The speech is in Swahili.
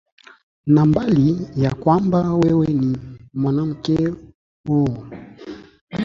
na mbali ya kwamba wewe ni mwanamke umri